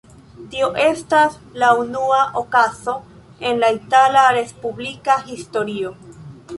Tio estas la unua okazo en la itala respublika historio.